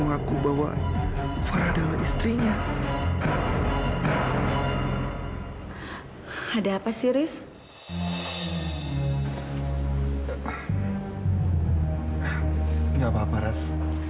gak apa apa raz